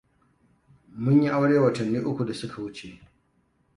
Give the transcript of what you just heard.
Mun yi aure watanni uku da suka wuce.